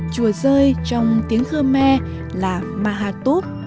chùa rơi trong tiếng khmer là mahatub